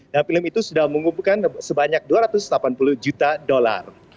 dan film itu sudah mengumpulkan sebanyak dua ratus delapan puluh juta dolar